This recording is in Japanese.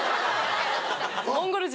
モンゴル人？